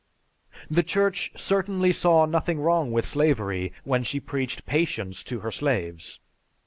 The Church certainly saw nothing wrong with slavery when she preached patience to her slaves.